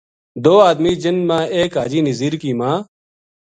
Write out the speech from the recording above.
دو ادمی جن ما ایک حاجی نزیر کی ماں